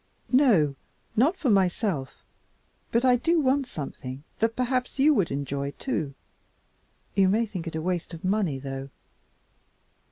"No, not for myself, but I do want something that perhaps you would enjoy, too. You may think it a waste of money, though."